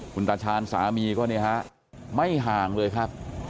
คุณตาชาญสามีก็เนี่ยฮะไม่ห่างเลยครับ